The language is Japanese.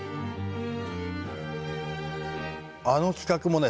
あの企画もね